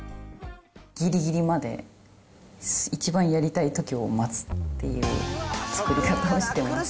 ぎりぎりまで、一番やりたいときを待つっていう作り方してます。